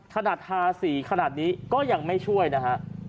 ขนาดทาสีขนาดนี้ก็ยังไม่ช่วยนะครับ